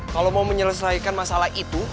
kalau mau menyelesaikan masalah itu